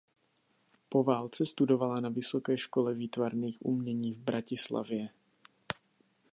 Po válce studovala na Vysoké škole výtvarných umění v Bratislavě.